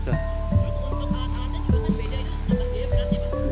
terus untuk kehatan kehatan juga kan beda dengan biaya beratnya